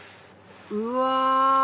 うわ！